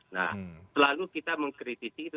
nah selalu kita mengkritisi itu